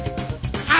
あ！